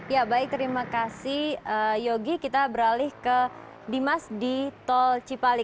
ya baik terima kasih yogi kita beralih ke dimas di tol cipali